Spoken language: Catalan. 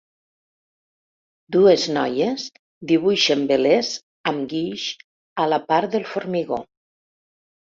Dues noies dibuixen velers amb guix a la part del formigó.